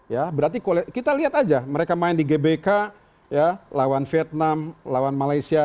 ya berarti kita lihat aja mereka main di gbk lawan vietnam lawan malaysia